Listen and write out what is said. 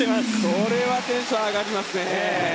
これはテンション上がりますね。